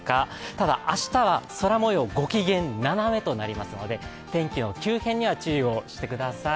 ただ、明日は空もよう、ご機嫌斜めとなりますので、天気の急変には注意をしてください。